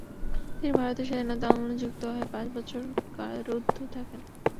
তিনি ভারতের স্বাধীনতা আন্দোলনে যুক্ত হয়ে পাঁচ বছর কারারুদ্ধ থাকেন।